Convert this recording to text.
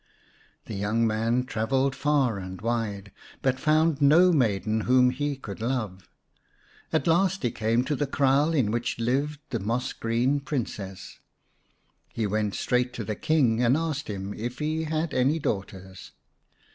The young man travelled far and wide, but found no maiden whom he could love. At last he came to the kraal in which lived the moss green Princess. He went straight to the King and asked him if he had any daughters.